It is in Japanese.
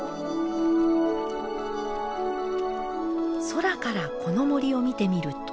空からこの森を見てみると。